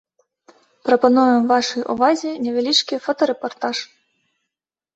Прапануем вашай увазе невялічкі фотарэпартаж.